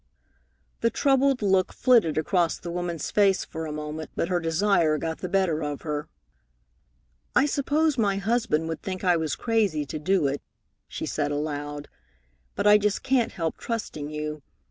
The troubled look flitted across the woman's face for a moment, but her desire got the better of her. "I suppose my husband would think I was crazy to do it," she said aloud, "but I just can't help trusting you.